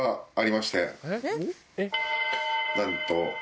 なんと。